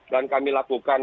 dan kami lakukan